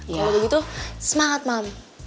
kalau begitu semangat mami